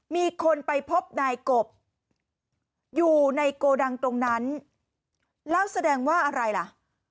มีคนไปพบนายกบอยู่ในโกดังตรงนั้นแล้วแสดงว่าอะไรล่ะ